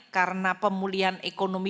karena pemulihan ekonomi